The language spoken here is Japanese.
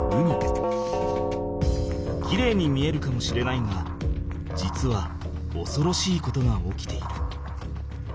きれいに見えるかもしれないが実はおそろしいことが起きている。